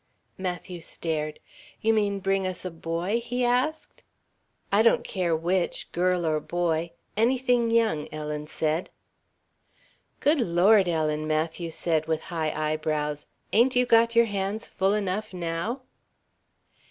Matthew stared. "You mean bring us a boy?" he asked. "I don't care which girl or boy. Anything young," Ellen said. "Good Lord, Ellen," Matthew said, with high eyebrows, "ain't you got your hands full enough now?"